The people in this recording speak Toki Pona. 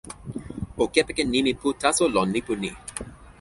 o kepeken nimi pu taso lon lipu ni.